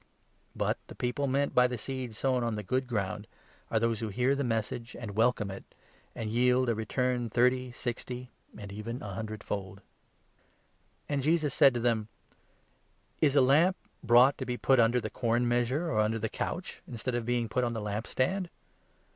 But the people meant 20 by the seed sown on the good ground are those who hear the Message, and welcome it, and yield a return, thirty, sixty, and even a hundred fold. " Lesson from And Jesus said to them : 21 a. Lamp. " Is a lamp brought to be put under the corn measure or under the couch, instead of being put on the lamp stand?